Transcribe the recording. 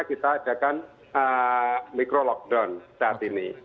jadi sekarang kita adakan mikro lockdown saat ini